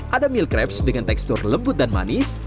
ada meal crabs dengan tekstur lembut dan manis